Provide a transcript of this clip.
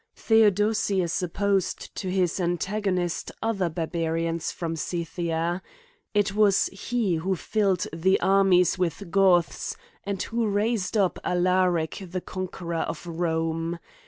Theodosius op posed to his antagonist other barbarians from Seythia : it was he who filled the armies with Goths, and who raised up Alaric the conqueror of Rome.